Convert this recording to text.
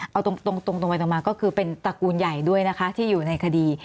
เอาตรงไปตรงมาก็คือเป็นตระกูลใหญ่ด้วยนะคะที่อยู่ในคดี